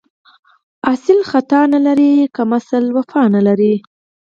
اصیل خطا نه لري، کم اصل وفا نه لري